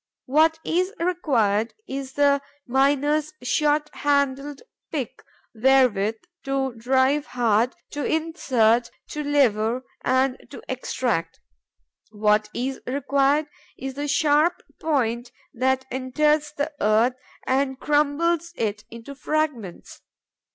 What is required is the miner's short handled pick, wherewith to drive hard, to insert, to lever and to extract; what is required is the sharp point that enters the earth and crumbles it into fragments.